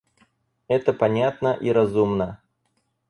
Это понятно и разумно.